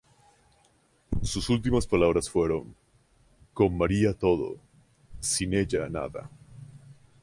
Sus últimas palabras fueron: "Con María todo, sin ella nada".